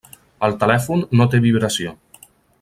El telèfon no té vibració.